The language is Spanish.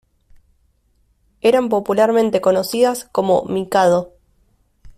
Eran popularmente conocidas como "Mikado".